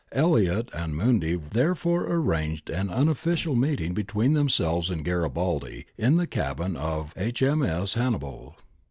Elliot and Mundy there fore arranged an unofficial meeting between themselves and Garibaldi in the cabin of H.M.S. Hannibal.